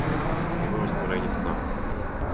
Ово је остварење сна.